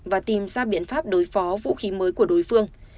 và tìm ra biện pháp đối phó vũ khí mới của đối phương